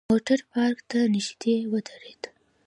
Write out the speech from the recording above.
موټر پارک ته نژدې ودرید.